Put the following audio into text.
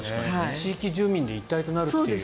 地域住民で一体となると。